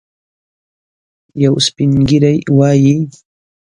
یو سپین ږیری وايي.